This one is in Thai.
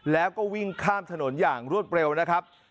แล้วก็วิ่งข้ามถนนอย่างรวดเร็วนะครับ